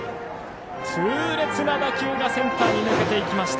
痛烈な打球がセンターに抜けていきました。